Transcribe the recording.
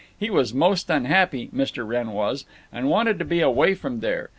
He was most unhappy, Mr. Wrenn was, and wanted to be away from there.